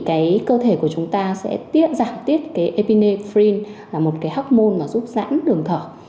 cái cơ thể của chúng ta sẽ giảm tiết cái epinephrine là một cái hốc môn mà giúp giãn đường thở